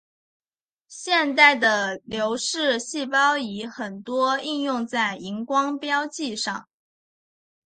现代的流式细胞仪很多应用在荧光标记上。